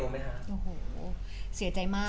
โอ้โหเสียใจมาก